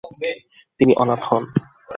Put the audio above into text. তিনি অনাথ হন।